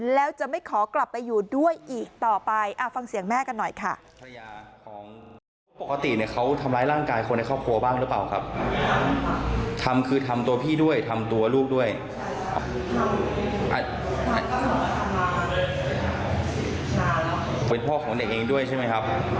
แล้วจะไม่ขอกลับไปอยู่ด้วยอีกต่อไปฟังเสียงแม่กันหน่อยค่ะ